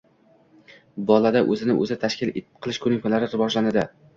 bolada o‘zini o‘zi tashkil qilish ko‘nikmalari rivojlanadi.